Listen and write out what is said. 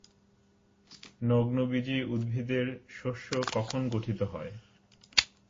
নগ্নবীজী উদ্ভিদের শস্য কখন গঠিত হয়?